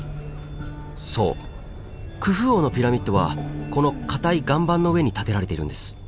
そうクフ王のピラミッドはこの硬い岩盤の上に建てられているんです。